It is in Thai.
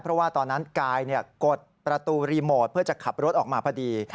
เพราะว่าตอนนั้นกายกดประตูรีโมทเพื่อจะขับรถออกมาพอดี